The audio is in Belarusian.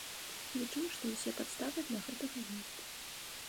Лічу, што ўсе падставы для гэтага ёсць.